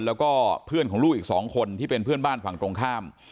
แล้วก็เพื่อนของลูกอีก๒คนที่เป็นเพื่อนบ้านฝั่งตรงข้าม